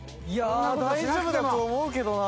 大丈夫だと思うけどな。